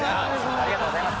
ありがとうございます。